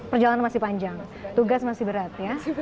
perjalanan masih panjang tugas masih berat ya